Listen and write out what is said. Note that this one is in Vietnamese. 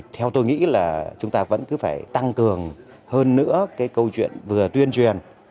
theo tôi nghĩ là chúng ta vẫn cứ phải tăng cường hơn nữa cái câu chuyện vừa tuyên truyền